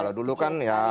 kalau dulu kan ya